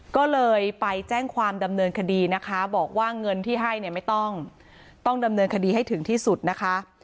ก็เลยไปแจ้งความดำเนินคดีนะคะบอกว่าเงินที่ให้เนี่ยไม่ต้องต้องดำเนินคดีให้ถึงที่สุดนะคะ